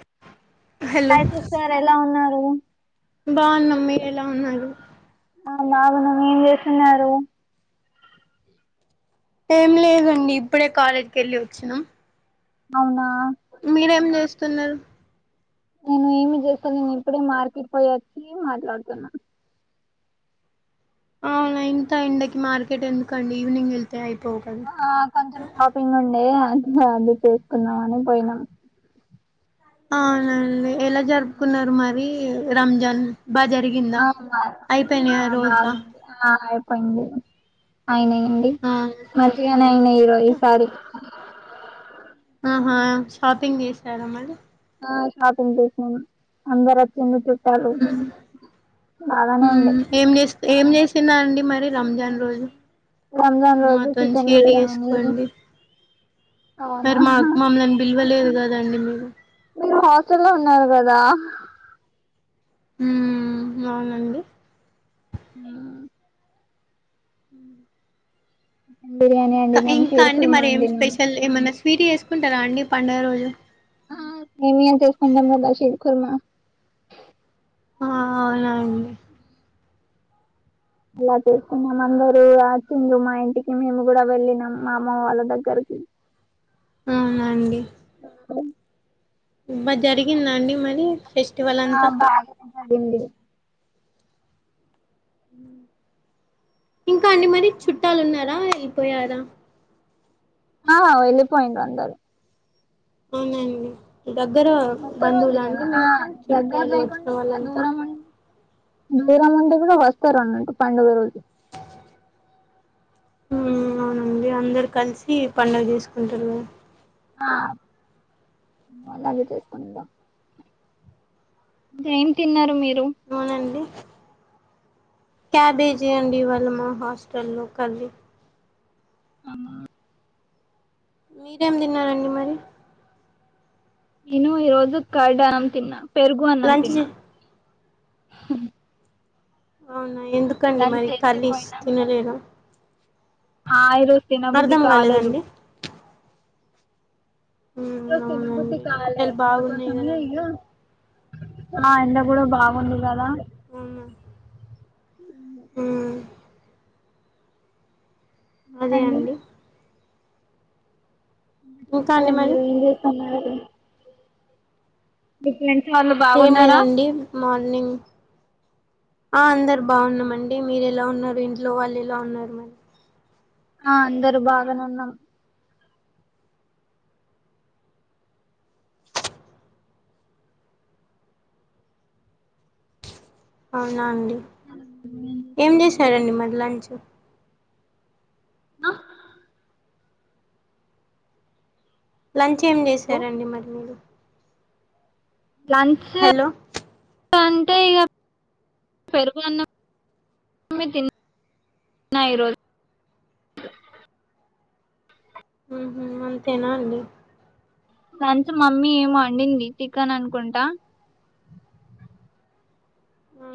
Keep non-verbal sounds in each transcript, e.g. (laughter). (inaudible) Hello hi sister ఎలా ఉన్నార్ (inaudible) బాగున్నాం. మీరు ఎలా ఉన్నారు? ఆ బాగున్నాం. ఏం చేస్తున్నారు? ఏం లేదండి ఇప్పుడే కాలేజ్కెల్లి వచ్చినా. అవునా. మీరేం చేస్తున్నరు. నేను ఏమి చేస్తా లేను ఇప్పుడే మార్కెట్ పోయి వచ్చి మాట్లాడ్తున్న. అవునా ఇంత ఎండకి మార్కెట్ ఎందుకండి ఈవినింగ్ వెల్ ఆ కొంచెం షాపింగ్ ఉండే అందుకే అది చేసుకుందాం అని పోయినా అవునా అండి ఎలా జరుపుకున్నారు మరి రంజాన్ బాగా జరిగిందా అయిపోయినాయా ఆ రోజా బాగుంది. ఆ అయిపో పోయింది. అయినయండి ఆ మంచిగనే అయినై ఈరో ఈసారి (inaudible) ఆహా షాపింగ్ చేసారా మరి ఆ షాపింగ్ చేసాను అందర్ వచ్చి (inaudible) కాలు బాగానే మ్మ్ ఉండే ఏం చేస్త ఏం చేసిన అండి మరి రంజాన్ రోజు రంజాన్ రోజు మాతోని చికెన్ షేర్ బిర్యానీ చేసుకోండి అవునా మరి మాకు మమల్ని విలువలేదు కదండి మీరు ఉన్నా కదా ఉమ్ బవునండి ఉమ్ చన్ బిర్యానీ అండిందిం మెము కుర్మ అండిందం ఫీటీ చేసుకుంటారా అండి పండుగ రోజు ఏమంత ఫ మబా శివఖర్ ఆ అవునా అండి అలా చేసుకున్నాం అందరూ వచ్చింగ మా ఇంటికి మేము కూడా వెళ్ళినం మా అమ్మ వాళ్ళ దగ్గరకి ఉమ్ అండి అం ఇ జరిగిందండి మరి ఫెస్టివల్ అంతా డింది ఇంకా అన్ని మర చుట్టాలు ఉన్నారా అయిపోయారా ఆ వెళ్ళలిపోయిడి అందారు అవునండి దగ్గర ఒక్క రోజు బంధువులు కదా అంటే ఆ మీకు దగ్గర చుట్టలు వచ్చిన లేకుండా కూడా వాళ్ళంతా దూరం ఉం దూరం ఉంటే కూడా వస్తారు అన్నట్టు పండుగ రోజు అవునండి అందరు కలిసి పడుగ తీసుకుంటారు ఆ టస్ందం జైం తిన్నారు మీరు అవునండి క్యాబేజీ అండి ఇవాళ్ళ మా హాస్టల్లో కలి అమ్మ మీరేం తిన్నారండి మరి నను ఈ రోజు కార్డ్ అనం తిన్నా పెరుగు అన్నం లంచ్ తిన్నా చే ఆహ్ హు అవును ఎందుకండి మరి చేసి కర్రీస్ పోయినా తినలేను ఆ ఈరో అర్ధం అవలేదండి ఎందుకో తినబుద్ధి అవునండి కాలే ఎండలు బాగున్నాయి అందుకోసమే ఇగ కదండి ఆ అవు- ఎండ కూడా బాగా కొందు కదా అవునా ఉమ్ అదే అండి ఇంకా చెప్పాలి అండి మరి మీరు ఏం చేస్తున్నారు మీ ఫ్రె వాళ్ళు ఏం బాగున్నారా లేదండి మార్నింగ్ ఆ అందరు బాగున్నామండి మీరు ఎలా ఉన్నారు ఇంట్లో వాళ్ళు ఎలా ఉన్నారు మ ఆ అందరు బాగానే ఉన్నాం అవునా అండి ఏం చేశారండి మరి లంచ్ అ లంచ్ ఏం చేశారండి మరి మీరు లంచు హలో అంటే ఇగ పెరుగున్నమే తిన్నా ఈరోజు ఉహూ అంతేనా అండి లంచ్ మమ్మీ ఏమో వండింది చికెన్ అనుకుంటా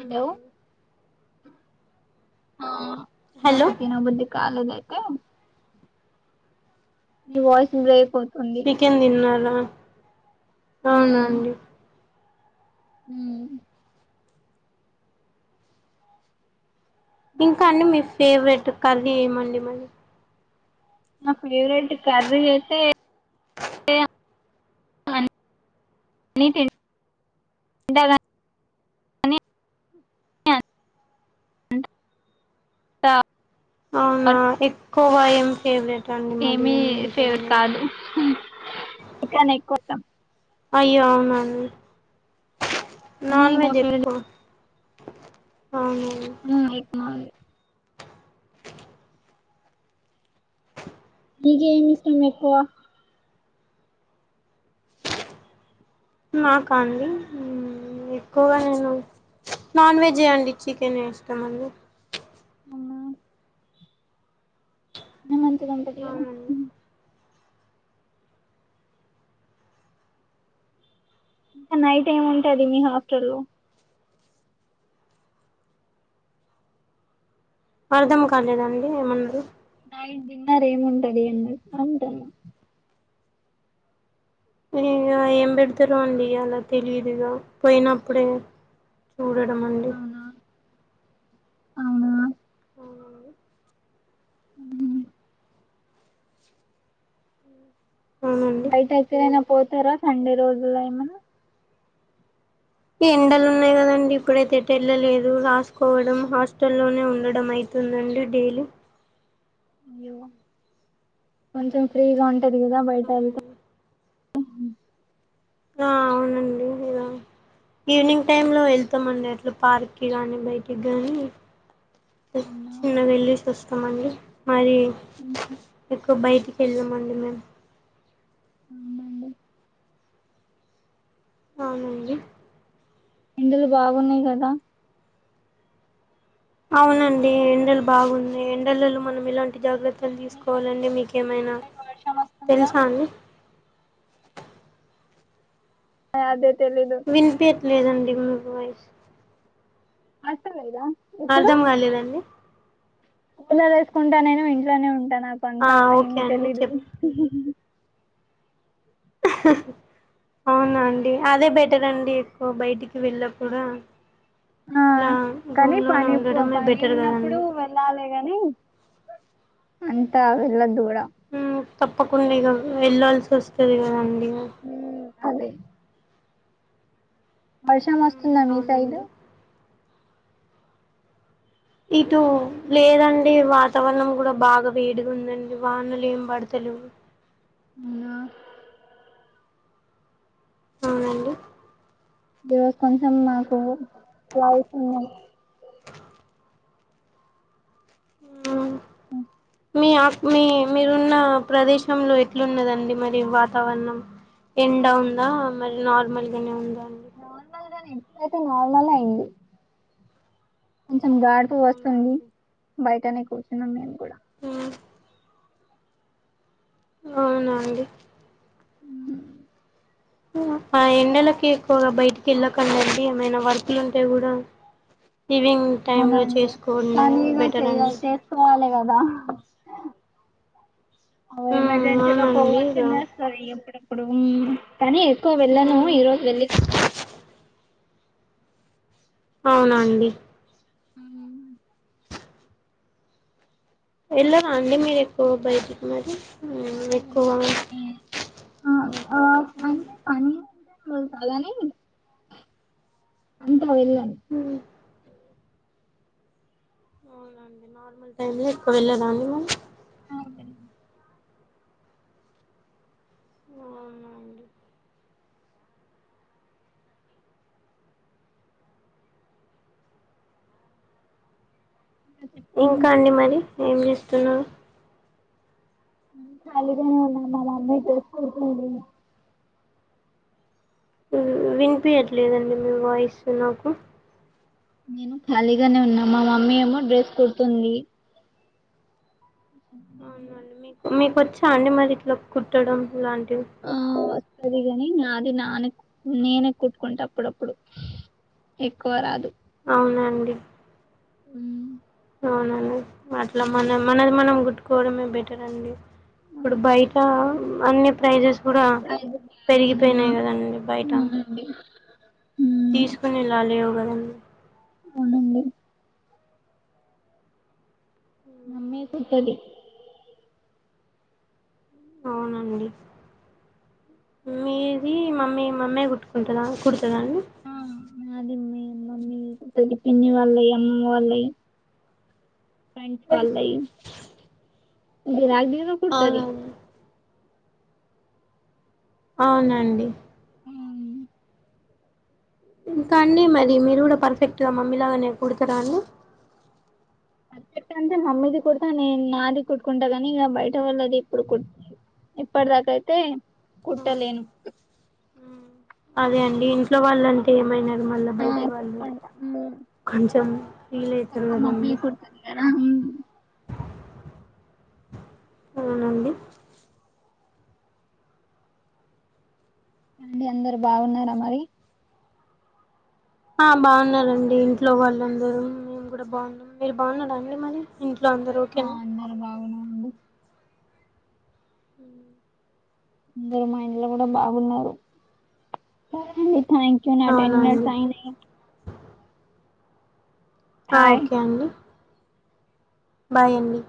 హలో ఆ హలో నాకు తినబుద్ధి కాలేదండి దుకే మీ వాయిస్ బ్రేక్ అవుతుంది చికెన్ తిన్నారా ఆ అవునా అండి హు ఆ ఇంకా అండి మీ ఫేవరెట్ కర్రీ ఏమండి మరీ నా ఫేవరెట్ కర్రీ అయితే (unintelligible) (inaudible) అవునా ఇ కోవ ఎ ఫేవెట్ ఏమీ ఫేవర్ కాదు కానీ ఎక్కువతాం అయ్యో అవునాం నాన్ వెజ్ ఎక్కువ అవునండి ఉ ఎక్ మాల్ నీకేం ఇష్టం ఎక్కువ నాకా అండి ఎక్కువగా నేను నాన్ వెజే అండి చికెన్ ఇష్టం అండి అవున (inaudible) ఇదం అవునండి (unintelligible) నైట్ ఏం ఉంటది మీ హాస్టల్ లో అర్థం కాలేదండి ఏమన్నారు నైట్ డిన్నర్ ఏముంటది అండి అంటాను ఇక ఏం పెడతారు అండి అలా తెలీదుగా పోయినప్పుడే చూడడం అండి అవునా అవునా అవునండి ఉమ్.. అవునండి. బయటైతే అనం పోతారా సండే రోజుల్లో అయినా ఎండలు ఉన్నాయి కదండి ఇప్పుడైతే ఎటుఎల్లలేదు రాసుకోవడం హాస్టల్లోనే ఉండడం అయితుందండి డైలీ అయ్యో కొంచెం ఫ్రీగా పెరిగిదా బయట అంతా ఆ అవునండి ఇలా ఈవినింగ్ టైంలో వెళ్తామండి అట్లా పార్క్కి కానీ బయటికి కానీ అవునా చిన్నగా వెళ్ళిసి వస్తామండి మరి ఎక్కువ బయటికి వెళ్ళమండి మేము అవునండి అవునండి ఎండలు బాగున్నాయి కదా అవునండి ఎండలు బాగున్నాయి ఎండలలో మనం ఇలాంటి జాగ్రత్త ఎలా మీ తీసుకోవాలండి మీకేమైన సైడ్ వర్షం వస్తుందా తెలుసా అండి అదే తెలీదు వినిపియట్లేదండి వాయిస్ అసలెల అర్ధం కాలేదండి ఉలు వేసుకుంటా నేను ఇంట్లోనే ఉం జనాప్ప ఆ అంతా ఓకే ఏమి అండి తెలిదు చెప్ అవునండి అదే బెట్ ఉంటదండి. ఎక్కువ బయటికి వెళ్ళకూడా ఆ కానీ పని ఉండడమే పని బెటర్ ఉన్నప్పుడు కదండి వెళ్ళాలి కాని. అంతా వెళ్లొద్దు కూడా ఉమ్ తప్పకుండిగా వెళ్లాల్సి వస్తది కదండీ. ఊ ఆది వర్షం ఉమ్, వస్తుందా మీ సైడు, అవునండి ఇటు లేదండి, వాతావరణం కూడా బాగా వేడిగా ఉందండి. వానలు ఏం పడతలేవు. ఉమ్ అవునండి. ఈ రోజు కొంచెం మాకు వాయిస్ ఉంది ఆ మీ మీ మీరున్న ప్రదేశంలో ఎట్లున్నదండి మరి వాతావరణం ఎండ ఉందా మరి నార్మల్గానే ఉందా అండి నార్మల్గానే ఐతే నార్మల్ అయింది కొంచెం గాడుపూ అవునా వస్తుంది అండి బయటనే కూర్చున్నాం మేము కూడా ఉమ్, అవునండి మ్మ్ ఆ ఎండలకి ఎక్కువగా బయటికి వెళ్ళకండి ఏమైనా వర్కులు ఉంటే కూడా ఈవినింగ్ టైమ్ లో అవునండి చేసుకోండి కానీ ఇగ బెటర్ చేయి అండి చేసుకోవాలి కదా అ ఉమ్ ఎమర్జెన్సీలో అవునండి ఇగ పోవాల్సింది వస్తది ఎప్పుడెప్పుడు మ్మ్ కానీ ఎక్కువ వెళ్ళను ఉమ్ ఈ రోజు వెళ్ళినా అవునండి ఆ వెళ్ళరా అండి మీరు ఎక్కువ బయటికి మరి ఆ ఉమ్ ఎక్కువ వెళ్ళను ఏమి ఆ అంటే పనులు మ్మ్ అదని మ్మ్ ని ఉమ్ (unintelligible) అవునండి నార్మల్ వెళ్లి వెళ్ళారా అండీ మరి అ వెళ్ళ అవునండి ఇంకా ఖాళీగానే అండి మరి ఏం చేస్తున్నావు ఖాళీగానే ఉన్నాం మా మమ్మీ చేసుకుంటుంది మ్మ్ వినిపియట్లేదండి మీ వాయిస్ నాకు నేను ఖాళీగానే ఉన్నా మా మమ్మీ ఏమో డ్రెస్ కుడుతుంది నేను కూడా అవునండి మీ మీకు వచ్చా అండి మరి ఇట్లా కుట్టడం లాంటి. టి అది కాని నాది నాన్న నేనే కుట్టుకుంట అప్పుడప్పుడు ఎక్కువ రాదు అవునండి మ్మ్ అవునవును అట్లా మమ్మీ మనం మనది కుడతది మనం గుట్టుకోవడమే బెటర్ అండి ఇప్పుడు బయట అన్ని ప్రైజెస్ కూడా అయితే బాగున్నాయా పెరిగిపోయినాయి కదండి బయట అవునండి. ఉమ్ తీసుకునేలా లేవుగదండి. అవునండి. మమ్మే కుడ్తది. అవునండి మీది మమ్మీ మమ్మీ కుట్టుకుంటదా కుడుత అండి. ఆ మాది మీ మమ్మీ కుట్టేది పిన్ని వాళ్ళై అమ్మమ్మ వాళ్ళయి. ఫ్రెండ్స్ వాళ్ళై. ఈ గిరాకి తిగ కుడ్తది. అవునండి అవునండి. ఇంకా అండి మరి మీరు కూడా పర్ఫెక్ట్ గా మమ్మీలాగానేే కుడతారా అండి. అంటే మమ్మీది కుడ్తా నేను నాది కుట్టుకుంటా కాని ఇగ బయట వాళ్ళది ఇప్పుడు కుట్ట ఇప్పటి దాక అయితే కుట్టలేను. అదే అండి ఇంట్లో వాళ్ళ అంటే ఏమైన. మళ్ళా ఆ బయటి వాళ్ళు కుట్టుకుంటా హ్మ్ కొంచెం ఫీల్ అయితారు ఎక్కువ కదా మమ్మీ అండి. కుడుతది కదా హ్మ్ అవునండి. అండి అందరు బాగున్నారా మరి. ఆ బాగున్నారండి ఇంట్లో వాళ్ళందరం మేము కూడా బాగున్నాం మీరు బాగున్నారండి మరి ఇంట్ ఆ అందరు బాగున్నార్. (unintelligible) హుమ్ అందరు మా ఇంట్లో కూడా బాగున్నారు. థాంక్యూ నా టెన్ అవునా అండి ఫైనే. ఆ బాయ్ ఓకే అండి. బాయ్ అండి